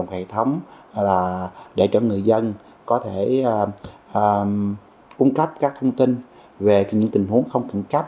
hệ thống để cho người dân có thể cung cấp các thông tin về những tình huống không khẩn cấp